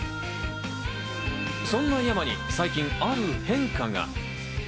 そんなｙａｍａに最近、ある変化が。